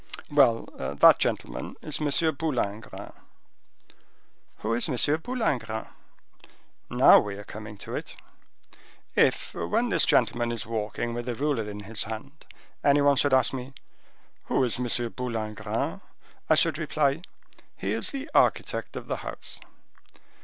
"Well, that gentleman is M. Boulingrin." "Who is M. Boulingrin?" "Now we are coming to it. If, when this gentleman is walking with a ruler in his hand, any one should ask me,—'who is M. Boulingrin?' I should reply: 'He is the architect of the house.